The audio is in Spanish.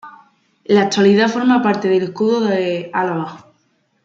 En la actualidad forma parte del escudo de Álava.